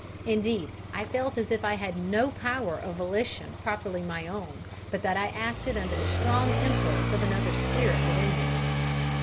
Indeed, I felt as if I had no power of volition properly my own, but that I acted under the strong impulse of another spirit within me.